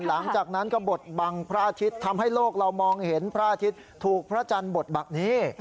หลังจากนั้นก็บดบังพระอาทิตย์ทำให้โลกเรามองเห็นพระอาทิตย์ถูกพระจันทร์บทบักนี้